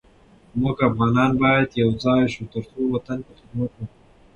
مونږ افغانان باید یوزاي شو ترڅو وطن ته خدمت وکړو